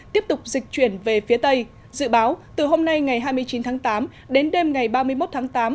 tiếp tục dịch chuyển về phía tây dự báo từ hôm nay ngày hai mươi chín tháng tám đến đêm ngày ba mươi một tháng tám